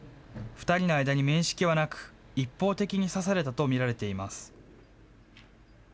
２人の間に面識はなく、一方的に刺されたと見られています。